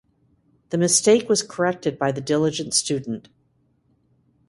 The mistake was corrected by the diligent student.